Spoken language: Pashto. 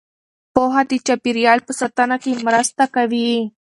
پوهه د چاپیریال په ساتنه کې مرسته کوي.